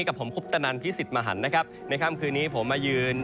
กับผมคุปตนันพิสิทธิ์มหันนะครับในค่ำคืนนี้ผมมายืน